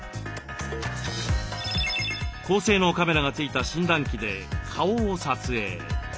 高性能カメラが付いた診断器で顔を撮影。